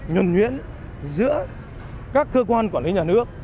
nhuần nhuyễn giữa các cơ quan quản lý nhà nước